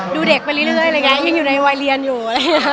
ดูเด็กไปเรื่อยยังอยู่ในวัยเรียนอยู่